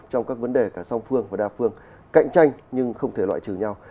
trong các vấn đề cả song phương và đa phương cạnh tranh nhưng không thể loại trừ nhau